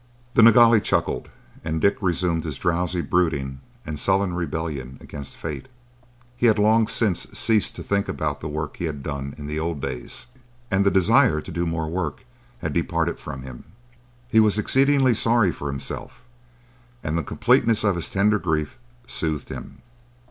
The Nilghai chuckled, and Dick resumed his drowsy brooding and sullen rebellion against fate. He had long since ceased to think about the work he had done in the old days, and the desire to do more work had departed from him. He was exceedingly sorry for himself, and the completeness of his tender grief soothed him.